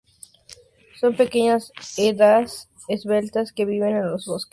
Son pequeñas hadas esbeltas, que viven en los bosques.